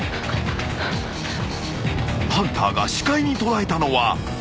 ［ハンターが視界に捉えたのは］